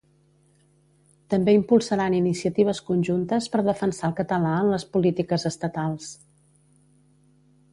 També impulsaran iniciatives conjuntes per defensar el català en les polítiques estatals.